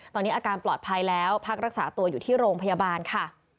ตอนนี้อาการปลอดภัยแล้วพักรักษาตัวอยู่ที่โรงพยาบาลค่ะ